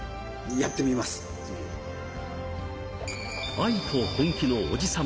愛と本気のおじさん